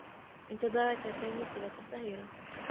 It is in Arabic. انتظرك سامي طيلة الظّهيرة.